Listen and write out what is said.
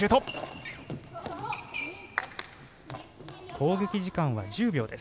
攻撃時間は１０秒です。